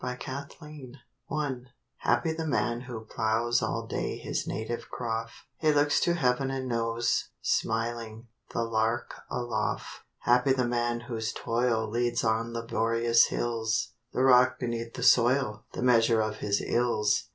EXILE I Happy the man who ploughs All day his native croft; He looks to heaven and knows, Smiling, the lark aloft. Happy the man whose toil Leads on laborious hills; The rock beneath the soil The measure of his ills.